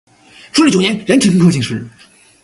顺治九年壬辰科进士。